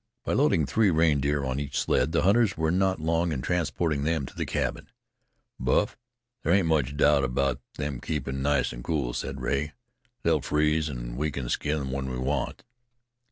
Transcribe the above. By loading three reindeer on each sled, the hunters were not long in transporting them to the cabin. "Buff, there ain't much doubt about them keepin' nice and cool," said Rea. "They'll freeze, an' we can skin them when we want."